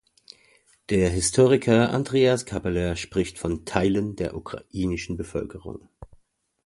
Der Historiker Andreas Kappeler spricht von „Teilen der ukrainischen Bevölkerung“.